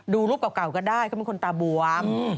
ดูรูปเก่าก็ได้เขาเป็นคนตาบวม